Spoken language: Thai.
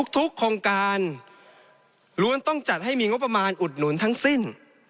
โครงการล้วนต้องจัดให้มีงบประมาณอุดหนุนทั้งสิ้น